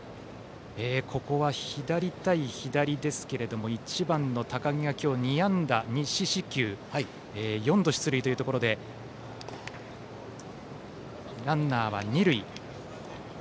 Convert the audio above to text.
ここは左対左ですけれども１番の高木が今日２安打、２四死球で４度出塁というところでランナーは二塁。